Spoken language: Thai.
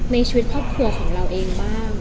ในชีวิตครอบครัวของเราเองบ้าง